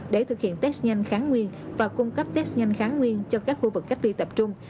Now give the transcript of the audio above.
để thực hiện test nhanh kháng nguyên và cung cấp test nhanh kháng nguyên cho các khu vực cách ly tập trung